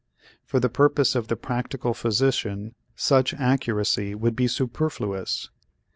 For the purpose of the practical physician such accuracy would be superfluous.